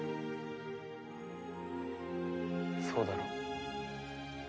そうだろ？